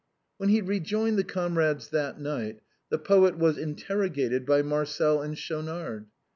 When he rejoined the comrades that night, the poet was interrogated by Marcel and Schaunard.